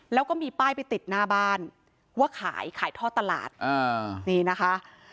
แล้วก็มีป้ายไปติดหน้าบ้านว่าขายขายท่อตลาดนี่นะคะ